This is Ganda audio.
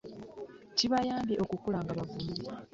Kibayambe okukula nga bavumu.